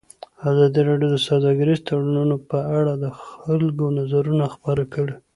ازادي راډیو د سوداګریز تړونونه په اړه د خلکو نظرونه خپاره کړي.